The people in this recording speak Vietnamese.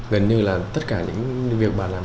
gần như là tất cả những việc bà làm